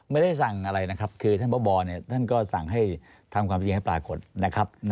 ไม่ได้สั่งอะไรนะครับคือท่านพบท่านก็สั่งให้ทำความจริงให้ปรากฏนะครับ